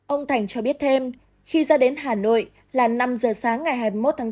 ông thành cho biết thêm khi ra đến hà nội là năm giờ sáng ngày hai mươi một tháng bốn